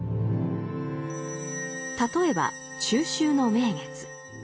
例えば中秋の名月。